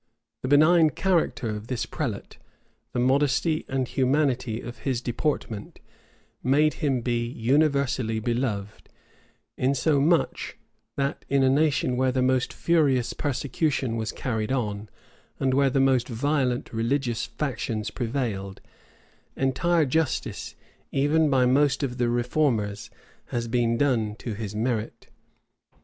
The benign character of this prelate, the modesty and humanity of his deportment, made him be universally beloved; insomuch that in a nation where the most furious persecution was carried on, and where the most violent religious factions prevailed, entire justice, even by most of the reformers, has been done to his merit.